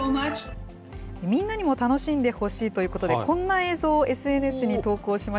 みんなにも楽しんでほしいということで、こんな映像をＳＮＳこれは？